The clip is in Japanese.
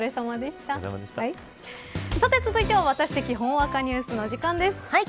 さて、続いてはワタシ的ほんわかニュースの時間です。